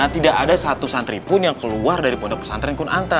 tidak ada satu santri pun yang keluar dari pondok pesantren kunanta